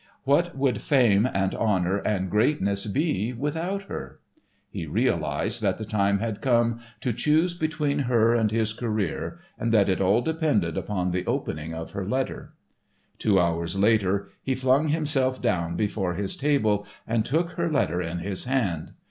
What would fame and honour and greatness be, without her? He realised that the time had come to choose between her and his career and that it all depended upon the opening of her letter. Two hours later, he flung himself down before his table and took her letter in his hand.